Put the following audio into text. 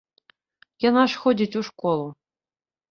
Яна ж ходзіць у школу.